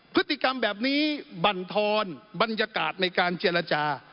พฤติกรรมแบบนี้บรรทอนบรรยากาศในการเจรจา